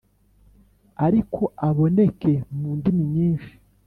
Ariko aboneke mu ndimi nyinshi